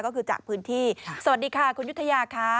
ก็คือจากพื้นที่สวัสดีค่ะคุณยุธยาค่ะ